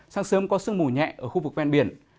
sáng sớm có sương mù nhẹ ở khu vực ven biển